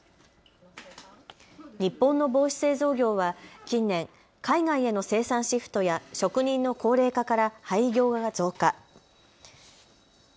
日本の帽子製造業は近年、海外への生産シフトや職人の高齢化から廃業が増加。